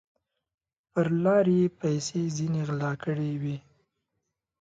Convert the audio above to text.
پر لار یې پیسې ځیني غلا کړي وې